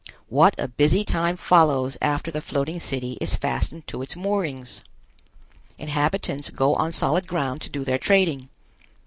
What a busy time follows after the floating city is fastened to its moorings! Inhabitants go on solid ground to do their trading.